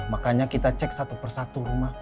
makanya kita cek satu persatu rumah